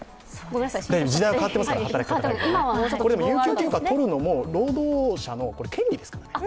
有給休暇取るのも労働者の権利ですからね。